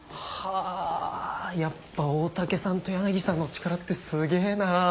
あやっぱ大嶽さんと柳さんの力ってすげぇな。